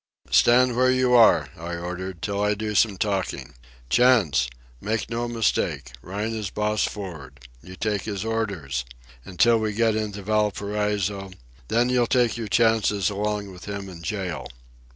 "Stand where you are," I ordered, "till I do some talking.—Chantz! Make no mistake. Rhine is boss for'ard. You take his orders ... until we get into Valparaiso; then you'll take your chances along with him in jail.